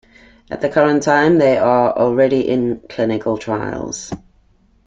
At the current time, they are already in clinical trials.